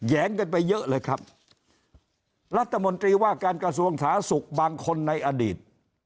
แหงกันไปเยอะเลยครับรัฐมนตรีว่าการกระทรวงสาธารณสุขบางคนในอดีต